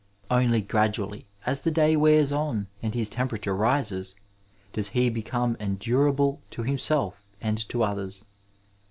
Only gradually, as the day wears on and his temperature rises, does he become endurable to himself and to others.